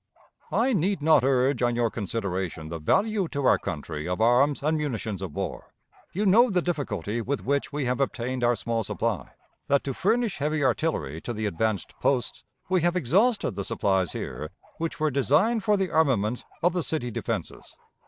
"I need not urge on your consideration the value to our country of arms and munitions of war: you know the difficulty with which we have obtained our small supply; that, to furnish heavy artillery to the advanced posts, we have exhausted the supplies here which were designed for the armament of the city defenses.